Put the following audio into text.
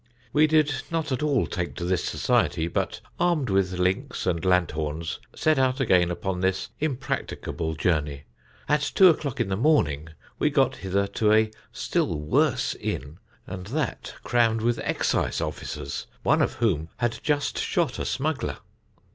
We did not at all take to this society, but, armed with links and lanthorns, set out again upon this impracticable journey. At two o'clock in the morning we got hither to a still worse inn, and that crammed with excise officers, one of whom had just shot a smuggler.